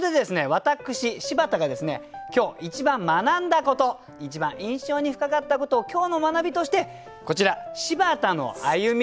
私柴田がですね今日一番学んだこと一番印象に深かったことを今日の学びとしてこちら「柴田の歩み」